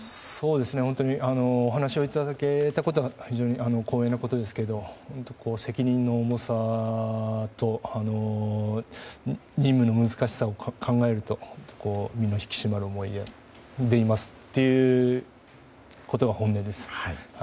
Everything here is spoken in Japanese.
お話をいただけたことは非常に光栄なことですけど責任の重さと任務の難しさを考えると身の引き締まる思いでいますということが本音です。